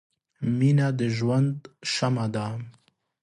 • مینه د ژوند شمعه ده.